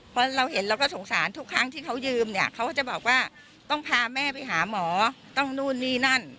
เพราะเราเห็นเราก็สงสารทุกครั้งที่เขายืมเนี่ยเขาก็จะบอกว่าต้องพาแม่ไปหาหมอต้องนู่นนี่นั่น